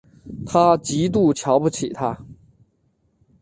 她极度瞧不起他